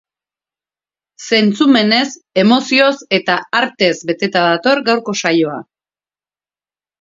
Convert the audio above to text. Zentzumenez, emozioz eta artez beteta dator gaurko saioa.